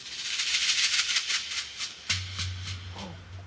あっ！